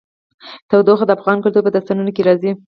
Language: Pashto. تودوخه د افغان کلتور په داستانونو کې راځي.